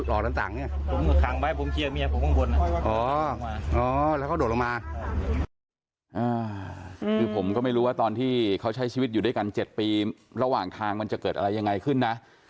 คือผมก็ไม่รู้ว่าตอนที่เขาใช้ชีวิตอยู่ด้วยกัน๗ปีระหว่างทางมันจะเกิดอะไรยังไงขึ้นนะ